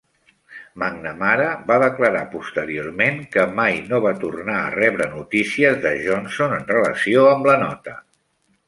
McNamara va declarar posteriorment que "mai no va tornar a rebre notícies" de Johnson en relació amb la nota.